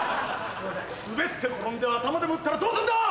滑って転んで頭でも打ったらどうするんだ！